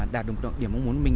đạt được đoạn điểm mong muốn mình